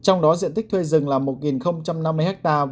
trong đó diện tích thuê rừng là một năm mươi ha